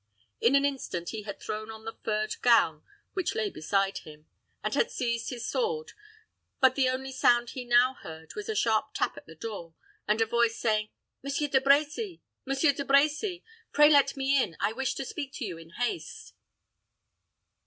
In an instant he had thrown on the furred gown which lay beside him, and had seized his sword; but the only sound he now heard was a sharp tap at the door, and a voice saying, "Monsieur De Brecy! Monsieur De Brecy! Pray let me in. I wish to speak to you in haste."